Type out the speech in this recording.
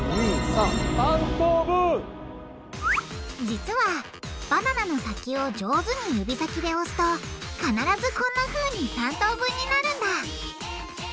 実はバナナの先を上手に指先で押すと必ずこんなふうに３等分になるんだ！